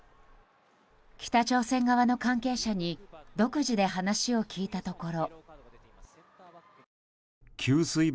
北朝鮮側の関係者に独自で話を聞いたところ。